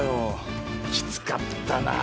きつかったなあ。